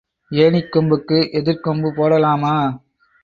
ஏணிக் கொம்புக்கு எதிர்க் கொம்பு போடலாமா?